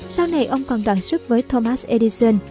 sau này ông còn đoàn xuất với thomas edison